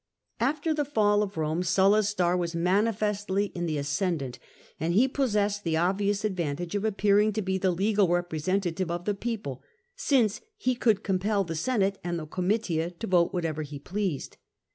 After the fall of Eome Sulla's star was manifestly in the ascendant, and he possessed the obvious advantage of appearing to be the legal representative of the people, since he could compel the Senate and the Oomitia to vote whatever he pleased.